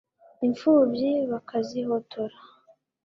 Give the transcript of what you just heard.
impfubyi bakazihotora